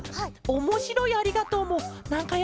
おもしろい「ありがとう」は。